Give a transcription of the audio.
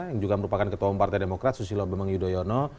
yang juga merupakan ketua umum partai demokrat susilo bembang yudhoyono